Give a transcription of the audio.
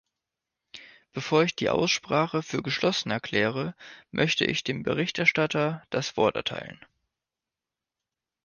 Bevor ich die Aussprache für geschlossen erkläre, möchte ich dem Berichterstatter das Wort erteilen.